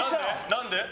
何で？